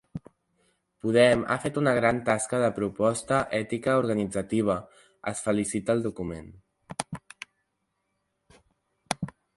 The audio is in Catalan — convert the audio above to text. Podem ha fet una gran tasca de proposta ètica-organitzativa, es felicita el document.